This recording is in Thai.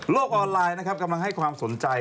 โลกออนไลน์กำลังให้ความสนใจ